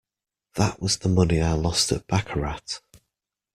That was the money I lost at baccarat.